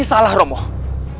ini salah rompong